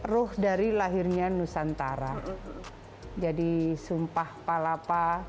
ruh dari lahirnya nusantara jadi sumpah palapa